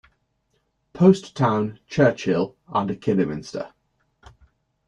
Post Town, Churchill, under Kidderminster.